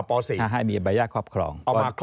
ป๒มีไว้ครอบครอง